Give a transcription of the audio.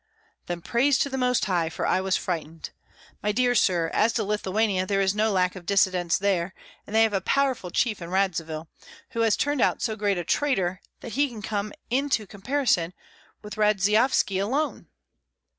"Then praise to the Most High, for I was frightened. My dear sir, as to Lithuania there is no lack of dissidents there; and they have a powerful chief in Radzivill, who has turned out so great a traitor that he can come into comparison with Radzeyovski alone."